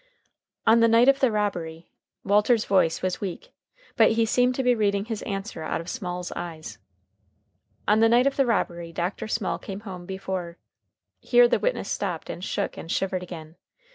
"On the night of the robbery" Walter's voice was weak, but he seemed to be reading his answer out of Small's eyes "on the night of the robbery Dr. Small came home before " here the witness stopped and shook and shivered again.